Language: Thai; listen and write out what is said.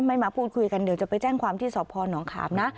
ไม่มาพูดคุยกันเดี๋ยวจะไปแจ้งความที่สภาพหน่องขาบ